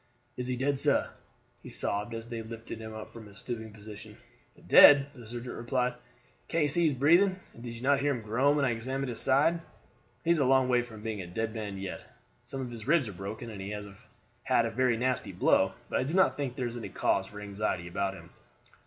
"Is he dead, sah?" he sobbed as they lifted him up from his stooping position. "Dead." the surgeon repeated. "Can't you see he is breathing, and did you not hear him groan when I examined his side? He is a long way from being a dead man yet. Some of his ribs are broken, and he has had a very nasty blow; but I do not think there is any cause for anxiety about him.